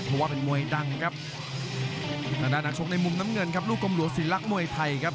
ส่วนทางด้านเพ็ดยะโสดาบรรซาลับรันสาลาภาคส่วนทางด้านนี้คือคู่รองของรายการครับ